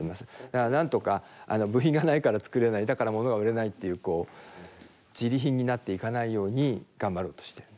だからなんとか部品がないから作れないだから物が売れないっていうじり貧になっていかないように頑張ろうとしている。